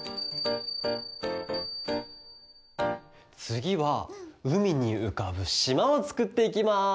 つぎはうみにうかぶしまをつくっていきます！